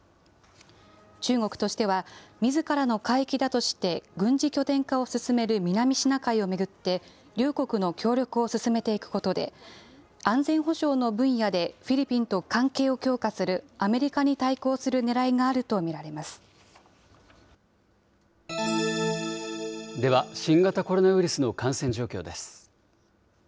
中国としては、みずからの海域だとして、軍事拠点化を進める南シナ海を巡って、両国の協力を進めていくことで、安全保障の分野でフィリピンと関係を強化するアメリカに対抗するでは、新型コロナウイルスの感染状況です。